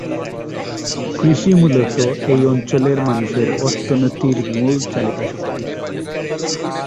কৃষি মূলত এই অঞ্চলের মানুষের অর্থনীতির মূল চালিকা শক্তি।